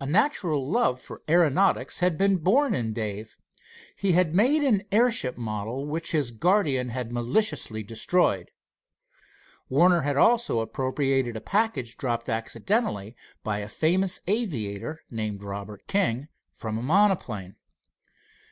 A natural love for aeronautics had been born in Dave. He had made an airship model which his guardian had maliciously destroyed. Warner had also appropriated a package dropped accidentally by a famous aviator, named Robert King, from a monoplane.